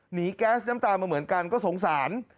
แก๊สน้ำตามาเหมือนกันก็สงสาร